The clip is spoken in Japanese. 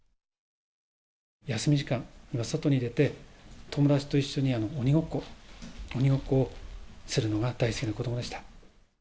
休み時間は外に出て、友達と一緒に鬼ごっこ、鬼ごっこをするのが大好きな子どもでした。